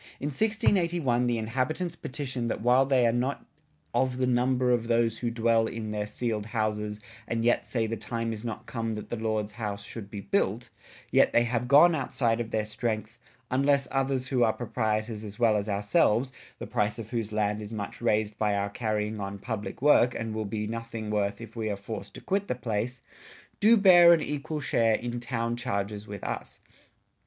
In 1681 the inhabitants petitioned that while they are not "of the number of those who dwell in their ceiled houses & yet say the time is not come that the Lord's house should be built," yet they have gone outside of their strength "unless others who are proprietors as well as ourselves, (the price of whose lands is much raysed by our carrying on public work & will be nothing worth if we are forced to quit the place) doo beare an equal share in Town charges with us.